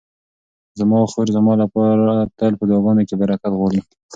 زما خور زما لپاره تل په دعاګانو کې برکت غواړي.